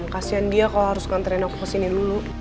kasian dia kalau haruskan cewek aku kesini dulu